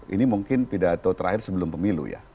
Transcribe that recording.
ini mungkin pidato terakhir sebelum pemilu ya